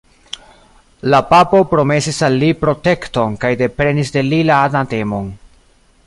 La papo promesis al li protekton kaj deprenis de li la anatemon.